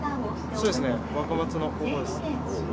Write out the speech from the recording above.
そうですね若松の高校です。